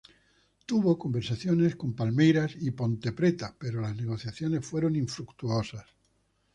Tuvo conversaciones con Palmeiras y Ponte Preta, pero las negociaciones fueron infructuosas.